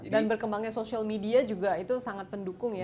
dan berkembangnya social media juga itu sangat pendukung ya